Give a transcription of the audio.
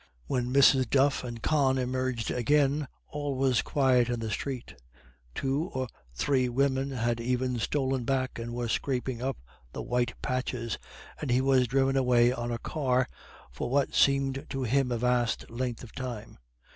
When Mrs. Duff and Con emerged again all was quiet in the street two or three women had even stolen back, and were scraping up the white patches and he was driven away on a car for what seemed to him a vast length of time.